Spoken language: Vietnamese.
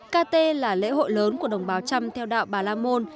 cà tê là lễ hội lớn của đồng bào tràm theo đạo bà la môn